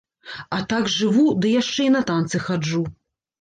А так жыву, ды яшчэ і на танцы хаджу.